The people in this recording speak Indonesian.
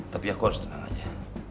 tapi aku harus tenang aja